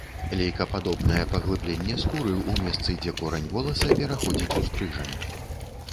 Лейкападобнае паглыбленне скуры ў месцы, дзе корань воласа пераходзіць у стрыжань.